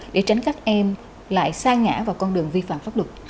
để tránh các em lại xa ngã vào con đường vi phạm pháp luật